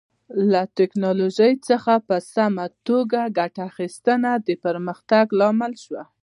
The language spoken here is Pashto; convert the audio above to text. له ټکنالوژۍ څخه په سمه توګه ګټه اخیستنه د پرمختګ لامل شو.